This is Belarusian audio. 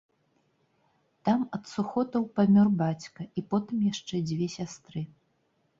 Там ад сухотаў памёр бацька і потым яшчэ дзве сястры.